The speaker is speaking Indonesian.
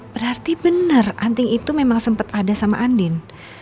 berarti bener anting itu memang sempet ada sama andin